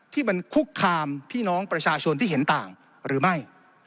ที่มันคุกคามพี่น้องประชาชนที่เห็นต่างหรือไม่